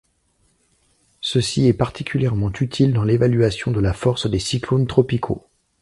Ceci est particulièrement utile dans l'évaluation de la force des cyclones tropicaux.